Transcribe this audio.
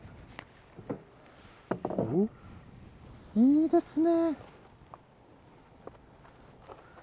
いいですね。